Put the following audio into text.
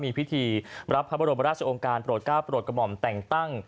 มีพิธีรับพระบรมราชองค์การปลอดการ์ดกรมแต่งตั้ง